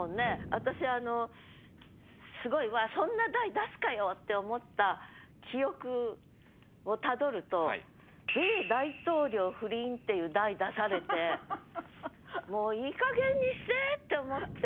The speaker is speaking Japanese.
私あのすごいそんな題出すかよって思った記憶をたどると「米大統領不倫」っていう題出されてもういいかげんにしてって思って。